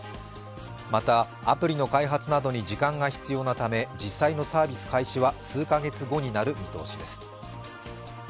また、アプリの開発などに時間が必要なため実際のサービス開始は数カ月後になる見通しです。